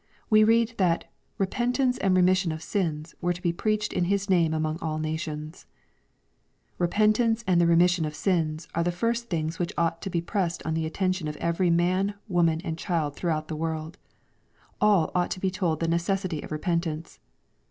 We read that " repent ance and remission of sins" were to be preached in His name among all nations. *^ Repentance and remission of sins" are the first things which ought to be pressed on the attention of every man, woman, and child throughout the world. — ^AU ought to be told the necessity of repentance.